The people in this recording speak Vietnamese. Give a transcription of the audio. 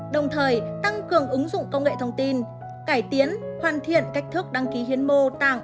đồng thời tăng cường ứng dụng công nghệ thông tin cải tiến hoàn thiện cách thức đăng ký hiến mô tạng